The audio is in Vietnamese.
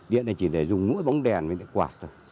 điện này chỉ để dùng mũi bóng đèn mình để quạt thôi